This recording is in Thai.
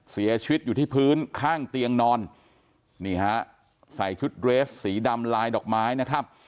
เสียชีวิตอยู่ที่พื้นข้างเตียงนอนนี่ฮะใส่ชุดเรสสีดำลายดอกไม้นะครับ